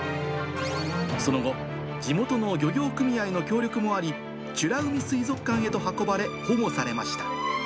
その後、地元の漁業組合の協力もあり、美ら海水族館へと運ばれ、保護されました。